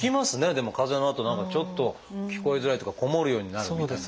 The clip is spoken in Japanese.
でも風邪のあと何かちょっと聞こえづらいっていうかこもるようになるみたいな。